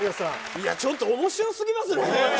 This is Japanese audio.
いや、ちょっとおもしろすぎますね。